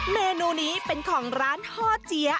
เมนูนี้เป็นของร้านฮ่อเจี๊ยบ